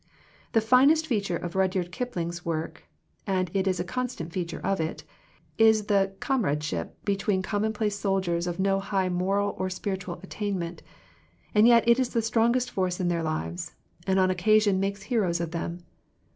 The finest feature of Rudyard Kipling's work and it is a constant feature of it, is the comradeship between commonplace soldiers of no high moral or spiritual at tainment, and yet it is the strongest force in their lives, and on occasion makes heroes of them.